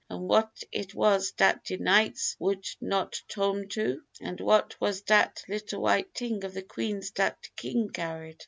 and what it was dat de knignts would not tome to? and what was dat little white ting of the Queen's dat de King carried?"